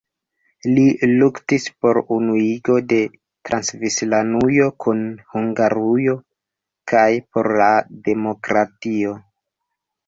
Li luktis por unuigo de Transilvanujo kun Hungarujo kaj por la demokratio.